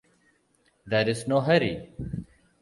There is no hurry.